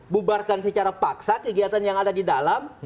bubarkan secara paksa kegiatan yang ada di dalam